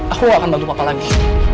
aku gak akan bantu papa lagi